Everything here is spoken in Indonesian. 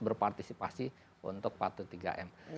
berpartisipasi untuk patuh tiga m